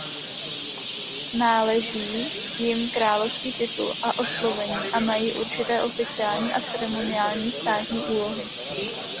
Náleží jim královský titul a oslovení a mají určité oficiální a ceremoniální státní úlohy.